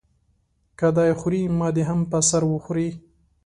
که دی خوري ما دې هم په سر وخوري.